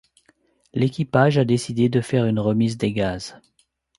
L'équipage a décidé de faire une remise des gaz.